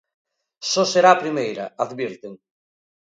"Só será a primeira", advirten.